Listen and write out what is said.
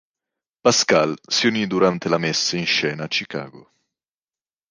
Pascal si unì durante la messa in scena a Chicago.